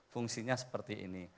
fungsinya seperti ini